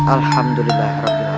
alhamdulillah rabbil alamin